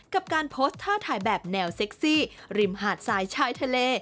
กับการโพสต์ท่าถ่ายแบบแนวเซ็กซี่ริมหาดสายชายทะเล